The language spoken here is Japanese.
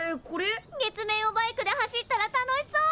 月面をバイクで走ったら楽しそう！